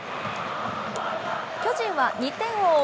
巨人は２点を追う